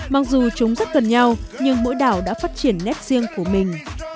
mặc dù chúng rất gần nhau nhưng mỗi đảo đã phát triển nét riêng của mình